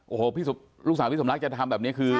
โอ้โหลูกสาวพี่สมรักจะทำแบบนี้คือ